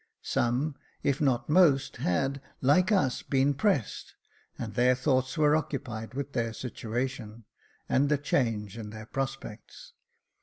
Some, if not most, had, like us, been pressed, and their thoughts were occupied with their situation, and the change in their prospects.